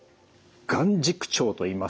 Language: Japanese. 眼軸長といいますと？